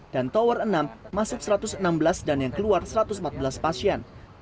dan tower enam masuk satu ratus enam belas dan yang keluar satu ratus empat belas pasien